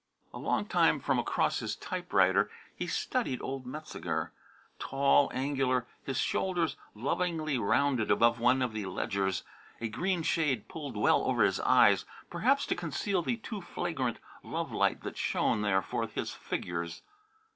A long time from across his typewriter he studied old Metzeger, tall, angular, his shoulders lovingly rounded above one of the ledgers, a green shade pulled well over his eyes, perhaps to conceal the too flagrant love light that shone there for his figures.